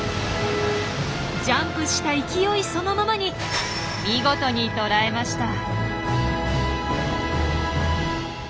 ジャンプした勢いそのままに見事に捕らえました。